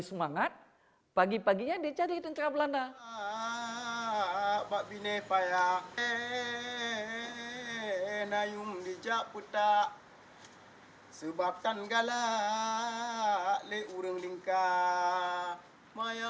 seiring berkembangnya zaman seni hikayat kini tidak hanya berisikan pesan pesan masa lalu dan kisah kerajaan saja